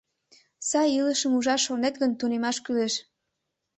Сай илышым ужаш шонет гын, тунемаш кӱлеш.